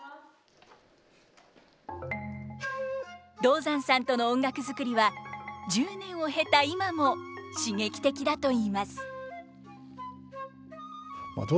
道山さんとの音楽作りは１０年を経た今も刺激的だといいます。